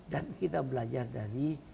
dan kita belajar dari